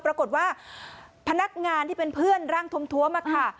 ปรากฏว่าพนักงานที่เป็นเพื่อนร่างทวมค่ะ